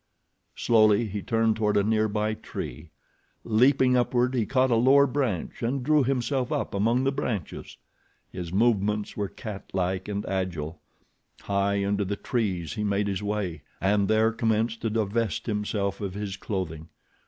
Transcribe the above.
Slowly he turned toward a nearby tree. Leaping upward he caught a lower branch and drew himself up among the branches. His movements were cat like and agile. High into the trees he made his way and there commenced to divest himself of his clothing.